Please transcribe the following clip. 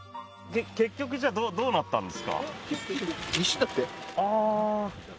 結局じゃあどうなったんですか？